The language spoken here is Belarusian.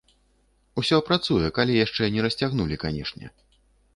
Усё працуе, калі яшчэ не расцягнулі, канешне.